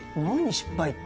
失敗って。